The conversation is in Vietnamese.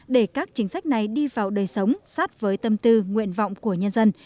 để các chính sách này đi vào đời sống sát với tâm tư nguyện vọng của nhân dân